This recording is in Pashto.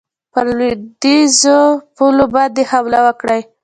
پر لوېدیخو پولو باندي حمله وکړي.